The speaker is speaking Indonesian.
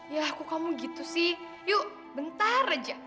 ya aku kamu gitu sih yuk bentar aja